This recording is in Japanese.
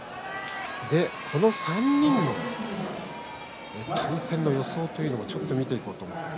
この３人の対戦の予想というものを見ていこうと思います。